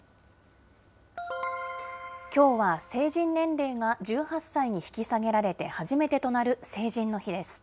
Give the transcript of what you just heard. きょうは成人年齢が１８歳に引き下げられて初めてとなる成人の日です。